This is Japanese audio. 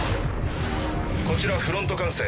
こちらフロント管制。